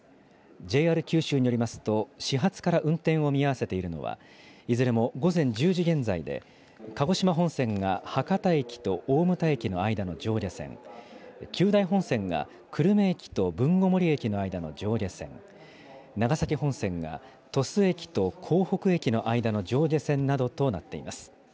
ＪＲ九州によりますと、始発から運転を見合わせているのは、いずれも午前１０時現在で、鹿児島本線が博多駅と大牟田駅の間の上下線、久大本線が久留米駅と豊後森駅の間の上下線、長崎本線が鳥栖駅と江北駅の間の上下線などとなっています。